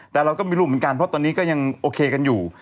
แต่เราก็ไม่รู้เหมือนกันเพราะตอนนี้ก็ยังโอเคกันอยู่